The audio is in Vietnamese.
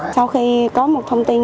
sau khi có một thông tin